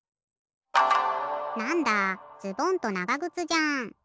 なんだズボンとながぐつじゃん。